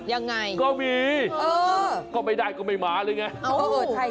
ยังไงก็มีเออก็ไม่ได้ก็ไม่มาเลยไง